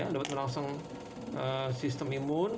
dapat merangsang sistem imun